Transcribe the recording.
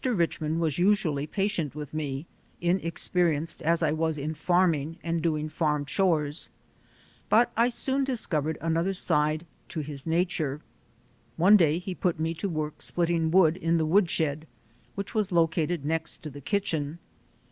Richmond was usually patient with me, in experienced as I was in farming and doing farm chores, but I soon discovered another side to his nature. One day he put me to work splitting wood in the wood shed, which was located next to the kitchen.